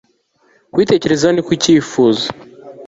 kuyitekerezaho ni ko icyifuzo